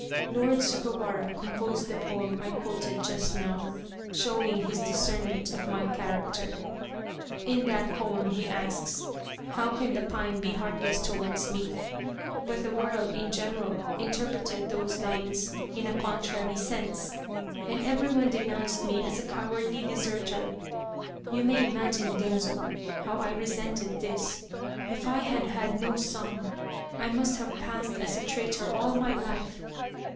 Lord Sugawara composed the poem I quoted just now, showing his discernment of my character. In that poem he asks, ' How can the pine be heartless towards me ?' But the world, in general, interpreted those lines in a contrary sense, and everyone de 213 Loyal, Even Unto Death nounced me as a cowardly deserter. You may imagine, Genzo, how I resented this. If I had had no son, I must have passed as a traitor all my life.